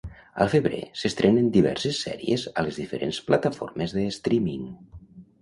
Al febrer s'estrenen diverses sèries a les diferents plataformes de streaming.